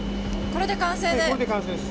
これで完成です。